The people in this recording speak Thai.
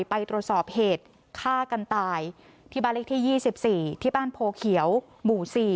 ไปตรวจสอบเหตุฆ่ากันตายที่บ้านเลขที่๒๔ที่บ้านโพเขียวหมู่๔